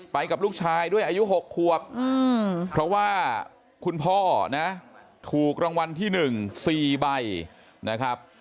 กับลูกชายด้วยอายุ๖ควบเพราะว่าคุณพ่อนะถูกรางวัลที่๑๔ใบนะครับ